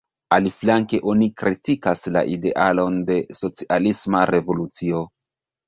Aliflanke oni kritikas la idealon de socialisma revolucio.